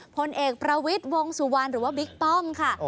พลเอกประวิทย์วงสุวรรณหรือว่าบิ๊กป้อมค่ะ